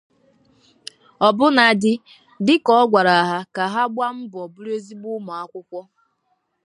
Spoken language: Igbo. ọbụladị dịka ọ gwara ha ka ha gbaa mbọ bụrụ ezigbo ụmụakwụkwọ